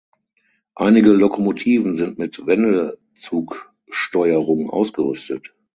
Einige Lokomotiven sind mit Wendezugsteuerung ausgerüstet.